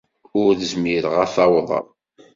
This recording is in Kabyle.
Ur zmireɣ ad t-awḍeɣ.